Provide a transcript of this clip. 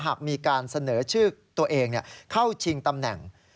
หากมีการเสนอชื่อตัวเองเข้าชิงตำแหน่ง